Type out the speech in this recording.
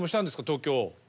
東京。